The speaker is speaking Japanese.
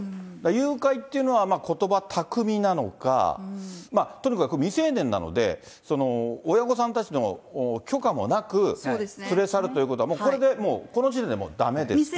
誘拐というのは、ことば巧みなのか、とにかく未成年なので、親御さんたちの許可もなく連れ去るということは、もうこれで、もうこの時点で、もうだめですけれども。